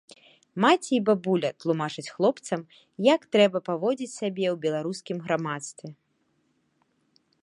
Маці і бабуля тлумачаць хлопцам, як трэба паводзіць сябе ў беларускім грамадстве.